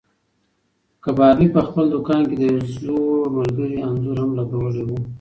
کبابي په خپل دوکان کې د یو زوړ ملګري انځور هم لګولی و.